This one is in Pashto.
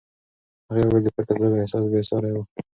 هغې وویل د پورته تللو احساس بې ساری و.